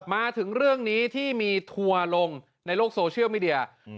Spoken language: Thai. มาถึงเรื่องนี้ที่มีทัวร์ลงในโลกโซเชียลมีเดีย